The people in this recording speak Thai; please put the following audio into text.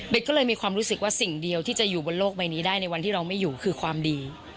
ก็เลยมีความรู้สึกว่าสิ่งเดียวที่จะอยู่บนโลกใบนี้ได้ในวันที่เราไม่อยู่คือความดี